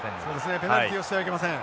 ペナルティをしてはいけません。